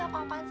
neng pak haji